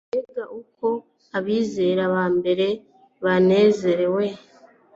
Mbega uko abizera ba mbere banezerewe